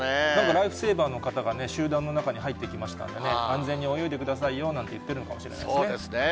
ライフセーバーの方が集団の中に入っていきましたんでね、安全に泳いでくださいよなんて言そうですね。